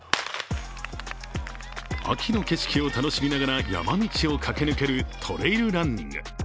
秋の景色を楽しみながら山道を駆け抜けるトレイルランニング。